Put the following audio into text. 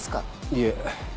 いえ。